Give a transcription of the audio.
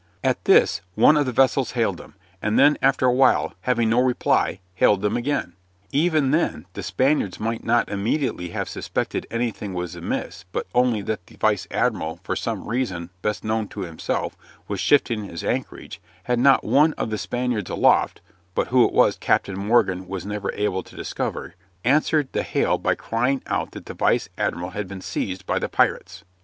At this one of the vessels hailed them, and then after a while, having no reply, hailed them again. Even then the Spaniards might not immediately have suspected anything was amiss but only that the vice admiral for some reason best known to himself was shifting his anchorage, had not one of the Spaniards aloft but who it was Captain Morgan was never able to discover answered the hail by crying out that the vice admiral had been seized by the pirates.